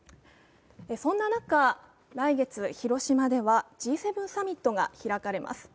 そんな中、来月、広島ではＧ７サミットが開かれます。